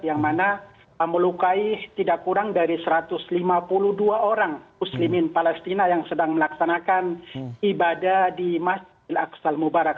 yang mana melukai tidak kurang dari satu ratus lima puluh dua orang muslimin palestina yang sedang melaksanakan ibadah di masjid al aqsal mubarak